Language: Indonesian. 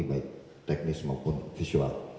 baik teknis maupun visual